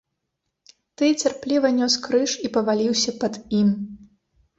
Ты цярпліва нёс крыж і паваліўся пад ім.